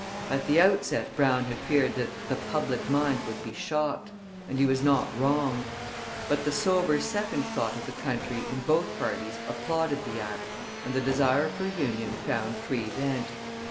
At the outset Brown had feared that 'the public mind would be shocked,' and he was not wrong. But the sober second thought of the country in both parties applauded the act, and the desire for union found free vent.